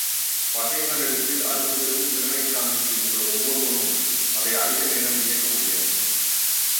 பகைவனிடத்தில் அரும்பெரும் திறனைக் காண்கின்ற ஒவ்வொருவனும் அதை அதிக நேரம் வியக்க முடியாது.